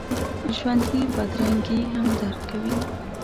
ژوندي بدرنګي هم درک کوي